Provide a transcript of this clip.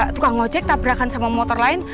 tukang ojek tabrakan sama motor lain